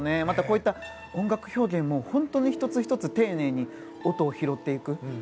また、こういった音楽表現も本当に一つ一つ丁寧に音を拾っていく。